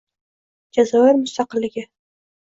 Jazoir mustaqilligi